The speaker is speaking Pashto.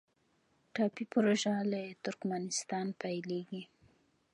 ټاپي پروژه له ترکمنستان پیلیږي